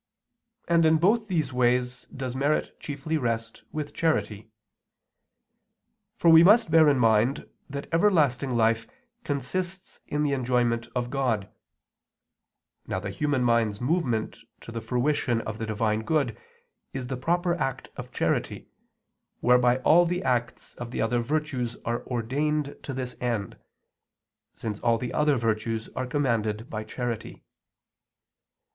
And in both these ways does merit chiefly rest with charity. For we must bear in mind that everlasting life consists in the enjoyment of God. Now the human mind's movement to the fruition of the Divine good is the proper act of charity, whereby all the acts of the other virtues are ordained to this end, since all the other virtues are commanded by charity.